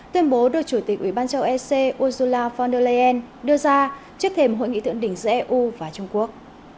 tuyên bố được chủ tịch ủy ban châu ec ursula von der leyen đưa ra trước thềm hội nghị thượng đỉnh giữa eu và trung quốc